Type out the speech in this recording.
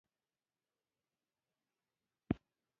ازادي راډیو د ټولنیز بدلون په اړه سیمه ییزې پروژې تشریح کړې.